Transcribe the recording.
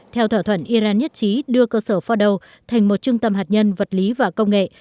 theo thỏa thuận iran nhất trí đưa cơ sở fordow thành một trung tâm hạt nhân vật lý và công nghệ